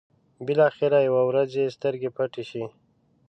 بلاخره يوه ورځ يې سترګې پټې شي.